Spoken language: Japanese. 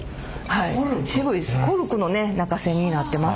はい。